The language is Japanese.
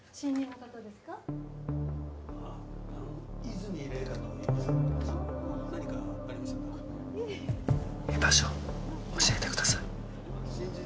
居場所教えてください。